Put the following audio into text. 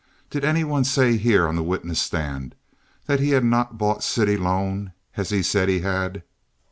Did any one say here on the witness stand that he had not bought city loan as he said he had?